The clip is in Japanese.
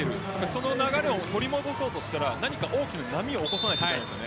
その流れを取り戻そうとしたら何か大きな波を起こさないといけないんです。